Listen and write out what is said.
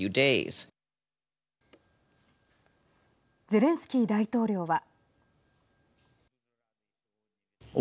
ゼレンスキー大統領は。